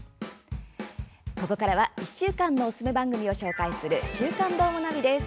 ここからは、１週間のおすすめ番組を紹介する「週刊どーもナビ」です。